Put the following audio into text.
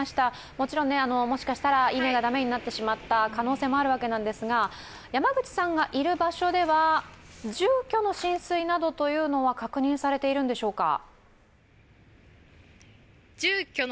もちろん、もしかしたら稲が駄目になってしまった可能性もあるわけなんですが、山口さんがいる場所では、住居の浸水などは確認されているんでしょうか。